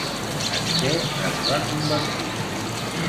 En què es va convertir?